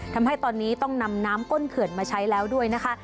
ทำให้ตอนนี้ต้องนำน้ำก้นเขื่อนมาใช้แล้วด้วยนะคะ